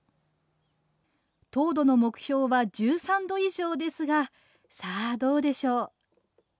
糖度の目標は１３度以上ですが、さあ、どうでしょう。